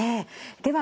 では